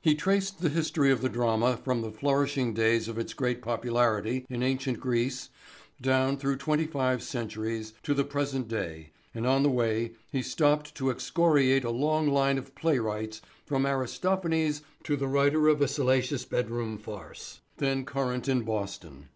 He traced the history of the drama from the flourishing days of its great popularity in ancient Greece down through twenty five centuries to the present day and on the way he stopped to excoriate a long line of playwrights from Aristophanes to the writer of a salacious bed room farce then current in Boston.